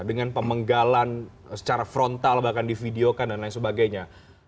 dengan pemenggalan secara frontal bahkan di video kan dan lain sebagainya